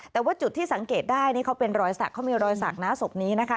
แต่ว่าจุดที่สังเกตได้นี่เขาเป็นรอยสักเขามีรอยสักนะศพนี้นะคะ